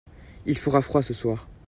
Il fera froid ce soir.